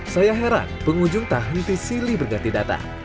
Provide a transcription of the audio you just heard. saya heran pengunjung tak henti silih berganti data